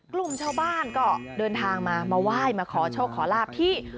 กลุ่มชาวบ้านก็เดินทางมามาไหว้มาขอโชคขอลาบที่